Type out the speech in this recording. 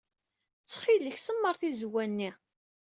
Ttxil-k, semmeṛ tizewwa-nni.